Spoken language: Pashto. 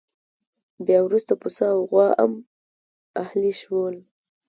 بیا وروسته پسه او غوا هم اهلي شول.